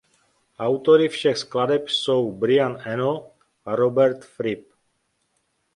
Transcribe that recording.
Autory všech skladeb jsou Brian Eno a Robert Fripp.